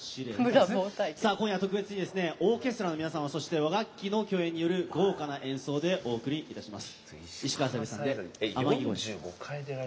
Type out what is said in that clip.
今夜は特別にオーケストラと和楽器の共演による豪華な演奏でお送りします。